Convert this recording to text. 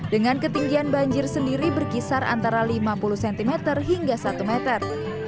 dengan ketinggian banjir sendiri berkisar antara lima puluh cm hingga satu meter